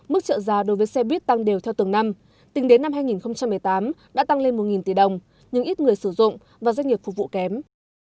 mức trợ giá đối với xe buýt tăng đều theo từng năm tính đến năm hai nghìn một mươi tám đã tăng lên một tỷ đồng nhưng ít người sử dụng và doanh nghiệp phục vụ kém